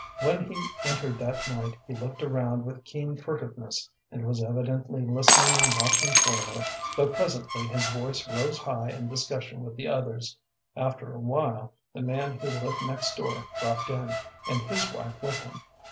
When he entered that night he looked around with keen furtiveness, and was evidently listening and watching for her, though presently his voice rose high in discussion with the others. After a while the man who lived next door dropped in, and his wife with him.